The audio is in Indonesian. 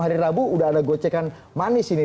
hari rabu udah ada gocekan manis ini